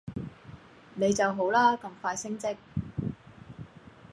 你就好啦！咁快升職。